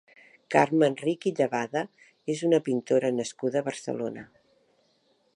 Carme Enrich i Llevada és una pintora nascuda a Barcelona.